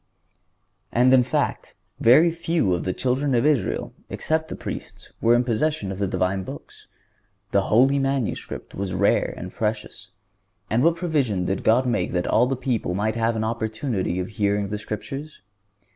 (136) And, in fact, very few of the children of Israel, except the Priests, were in possession of the Divine Books. The holy manuscript was rare and precious. And what provision did God make that all the people might have an opportunity of hearing the Scriptures?